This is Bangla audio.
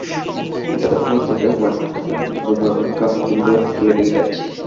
মৃতদেহ মাত্র, তাহার জীবন অনেক কাল হইল চলিয়া গিয়াছে।